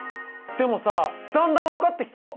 でもさだんだん分かってきたよ。